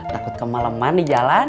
takut kemaleman di jalan